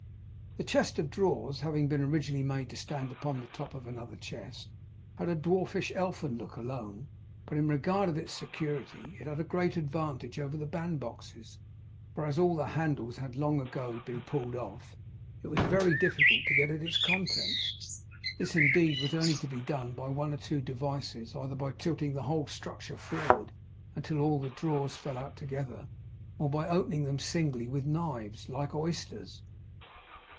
The chest of drawers having been originally made to stand upon the top of another chest, had a dwarfish, elfin look, alone; but in regard of its security it had a great advantage over the bandboxes, for as all the handles had been long ago pulled off, it was very difficult to get at its contents. This indeed was only to be done by one or two devices; either by tilting the whole structure forward until all the drawers fell out together, or by opening them singly with knives, like oysters.